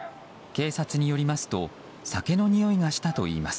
警察によりますと酒のにおいがしたといいます。